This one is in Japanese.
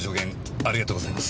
ありがとうございます。